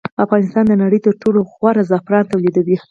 افغانستان د نړۍ تر ټولو غوره زعفران تولیدوي